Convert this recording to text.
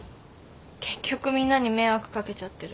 結局みんなに迷惑掛けちゃってる。